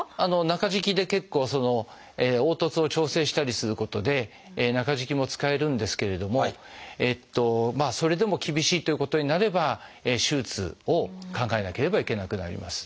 中敷きで結構凹凸を調整したりすることで中敷きも使えるんですけれどもそれでも厳しいということになれば手術を考えなければいけなくなります。